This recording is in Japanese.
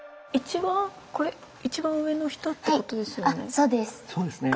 一番上の人ってことですよね？